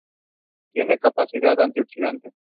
Tiene capacidad antioxidante.